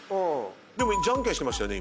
でもじゃんけんしてましたよね。